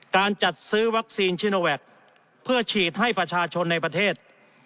การจัดซื้อวัคซีนชิโนแวคเพื่อฉีดให้ประชาชนในประเทศ